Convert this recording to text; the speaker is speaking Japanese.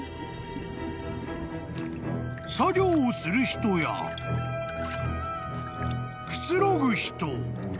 ［作業をする人やくつろぐ人］